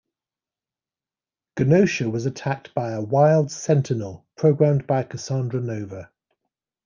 Genosha was attacked by a "wild Sentinel" programmed by Cassandra Nova.